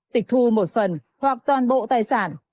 tịch thu một phần hoặc toàn bộ tài sản